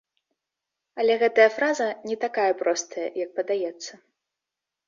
Але гэтая фраза не такая простая, як падаецца.